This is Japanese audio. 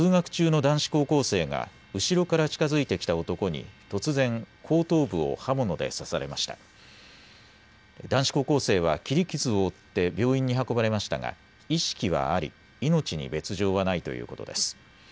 男子高校生は切り傷を負って病院に運ばれましたが意識はあり、命に別状はないということです。